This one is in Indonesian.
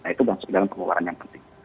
itu masuk dalam pengeluaran yang penting